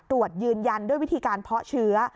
ตรวจยืนยันด้วยวิธีการเพาะเชื้อ